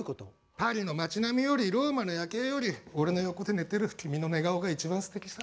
パリの町並みよりローマの夜景より俺の横で寝てる君の寝顔が一番すてきさ。